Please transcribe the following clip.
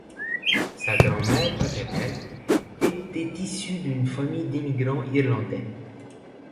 Sa grand-mère paternelle était issue d'une famille d'immigrants irlandais.